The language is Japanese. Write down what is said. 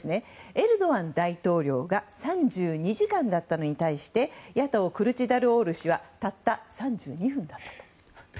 エルドアン大統領が３２時間だったのに対して野党クルチダルオール氏はたった３２分だったと。